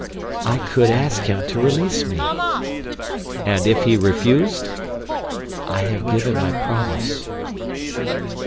"I could ask him to release me." "And if he refused?" "I have given my promise."